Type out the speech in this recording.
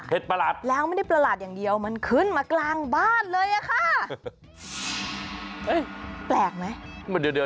ประหลาดแล้วไม่ได้ประหลาดอย่างเดียวมันขึ้นมากลางบ้านเลยอะค่ะ